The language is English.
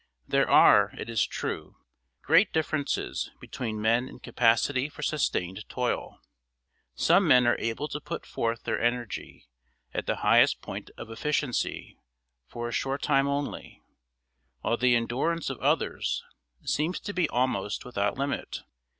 There are, it is true, great differences between men in capacity for sustained toil. Some men are able to put forth their energy at the highest point of efficiency for a short time only, while the endurance of others seems to be almost without limit.